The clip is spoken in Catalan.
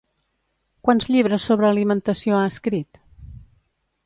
Quants llibres sobre alimentació ha escrit?